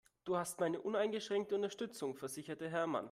Du hast meine uneingeschränkte Unterstützung, versicherte Hermann.